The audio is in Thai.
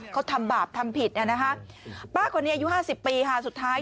เขาทำบาปทำผิดเนี่ยนะคะป้าคนนี้อายุห้าสิบปีค่ะสุดท้าย